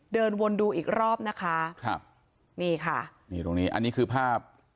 เดินวนดูอีกรอบนะคะครับนี่ค่ะนี่ตรงนี้อันนี้คือภาพ